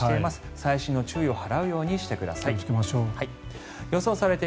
細心の注意を払うようにしてください。